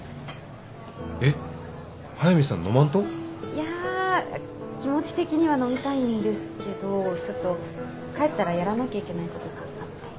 いや気持ち的には飲みたいんですけどちょっと帰ったらやらなきゃいけないことがあって。